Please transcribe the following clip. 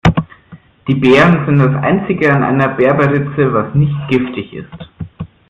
Die Beeren sind das einzige an einer Berberitze, was nicht giftig ist.